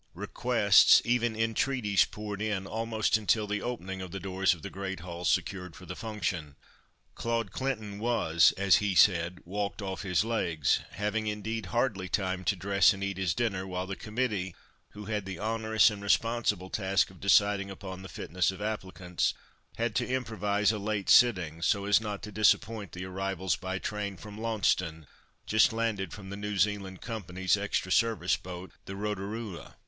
Requests, even entreaties poured in, almost until the opening of the doors of the great hall secured for the function. Claude Clinton was, as he said, "walked off his legs," having indeed hardly time to dress and eat his dinner, while the committee, who had the onerous and responsible task of deciding upon the fitness of applicants, had to improvise a late sitting, so as not to disappoint the arrivals by the train from Launceston, just landed from the New Zealand Company's extra service boat, the Rotorua.